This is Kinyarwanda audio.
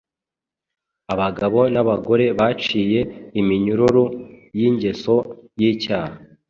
abagabo n’abagore baciye iminyururu y’ingeso y’icyaha.